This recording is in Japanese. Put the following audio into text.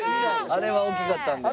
あれは大きかったんで。